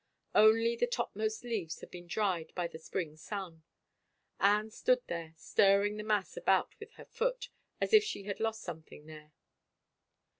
Only the topmost leaves had been dried by the spring sun. Anne stood there stirring the mass about with her foot as if she had lost something there.